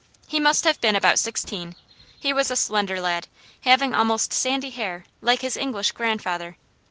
He must have been about sixteen. He was a slender lad, having almost sandy hair, like his English grandfather.